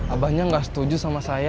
abahnya nggak setuju sama saya